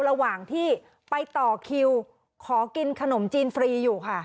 ระหว่างที่ไปต่อคิวขอกินขนมจีนฟรีอยู่ค่ะ